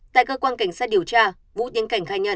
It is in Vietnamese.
tại cơ quan cảnh sát điều tra vũ tiến cảnh khai nhận